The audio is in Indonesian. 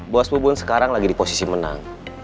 bos mubun sekarang lagi di posisi menang